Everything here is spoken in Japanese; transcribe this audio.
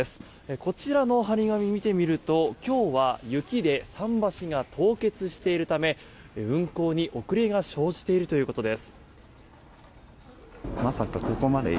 こちらの貼り紙、見てみると今日は雪で桟橋が凍結しているため運航に遅れが生じているということです。